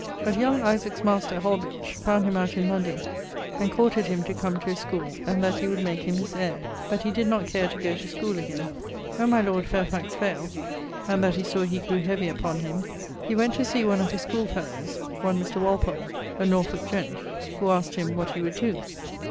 But young Isaac's master, Holbitch, found him out in London and courted him to come to his schoole and that he would make him his heire. But he did not care to goe to schoole again. When my lord Fairfax faild and that he sawe he grew heavy upon him, he went to see one of his schoolfellowes, one Mr. Walpole, a Norfolke gent., who asked him 'What he would doe?'